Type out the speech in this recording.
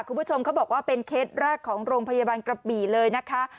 คุณผู้ชมเขาบอกว่าเป็นเคสแรกของโรงพยาบาลกระบี่เลยนะคะ